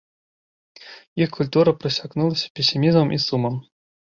Іх культура прасякнулася песімізмам і сумам.